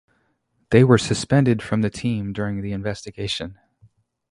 They were suspended from the team during the investigation.